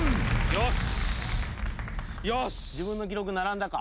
よし！